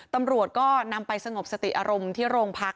ตำรวจก็นำไปสงบสติอารมณ์ที่โรงพัก